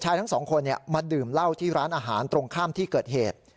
ทั้งสองคนมาดื่มเหล้าที่ร้านอาหารตรงข้ามที่เกิดเหตุ